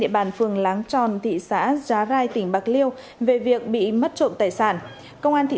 địa bàn phường láng tròn thị xã giá rai tỉnh bạc liêu về việc bị mất trộm tài sản công an thị